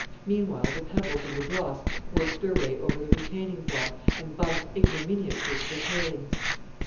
Meanwhile the pebbles and the dross worked their way over the retaining block and bumped ignominiously to the tailings.